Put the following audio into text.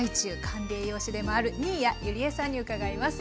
管理栄養士でもある新谷友里江さんに伺います。